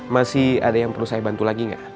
masih ada yang perlu saya bantu lagi nggak